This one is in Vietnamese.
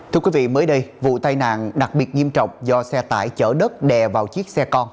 thưa quý vị mới đây vụ tai nạn đặc biệt nghiêm trọng do xe tải chở đất đè vào chiếc xe con